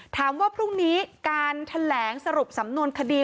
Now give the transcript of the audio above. ถามว่าพรุ่งนี้การแถลงสรุปสำนวนคดี